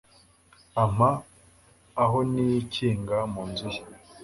ampa aho nikinga mu nzu ye